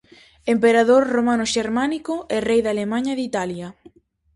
Emperador romano-xermánico e rei de Alemaña e de Italia.